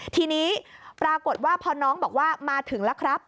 ทีนี้ปรากฏว่าพอน้องบอกว่ามาถึงแล้วครับ